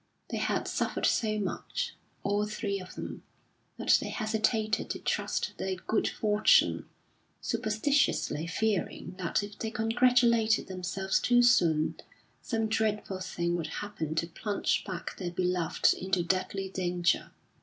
They had suffered so much, all three of them, that they hesitated to trust their good fortune, superstitiously fearing that if they congratulated themselves too soon, some dreadful thing would happen to plunge back their beloved into deadly danger.